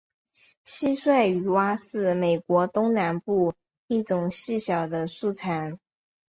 蟋蟀雨蛙是美国东南部一种细小的树蟾。